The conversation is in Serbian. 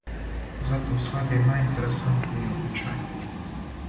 Затим следи најинтересантнији обичај.